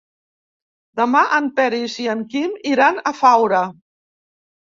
Demà en Peris i en Quim iran a Faura.